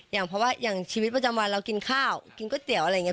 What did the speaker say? อย่างชีวิตประจำวันเรากินข้าวกินก๋วยเตี๋ยวอะไรอย่างนี้